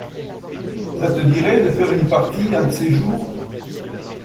ça te dirait de faire une partie un de ces jours?